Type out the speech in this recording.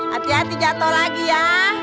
hati hati jatuh lagi ya